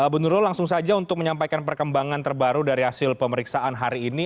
bu nurul langsung saja untuk menyampaikan perkembangan terbaru dari hasil pemeriksaan hari ini